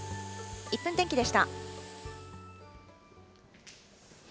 １分天気でした。